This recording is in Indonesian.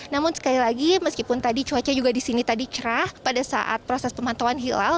namun sekali lagi meskipun tadi cuaca juga di sini tadi cerah pada saat proses pemantauan hilal